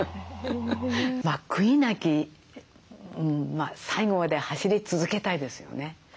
まあ悔いなき最後まで走り続けたいですよね。